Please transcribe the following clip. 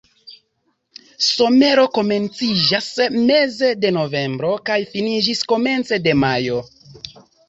Somero komenciĝas meze de novembro kaj finiĝas komence de majo.